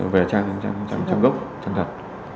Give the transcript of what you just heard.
về trang gốc trang thật